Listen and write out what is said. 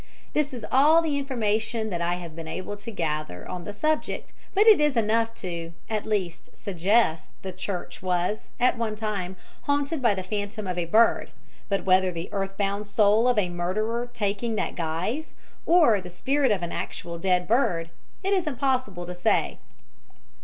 This is all the information that I have been able to gather on the subject, but it is enough to, at least, suggest the church was, at one time, haunted by the phantom of a bird, but whether the earth bound soul of a murderer taking that guise, or the spirit of an actual dead bird, it is impossible to say.